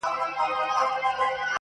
ويل باز به وي حتماً خطا وتلى!.